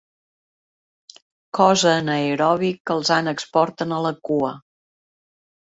Cos anaeròbic que els ànecs porten a la cua.